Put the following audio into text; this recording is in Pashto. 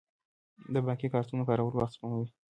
د بانکي کارتونو کارول وخت سپموي.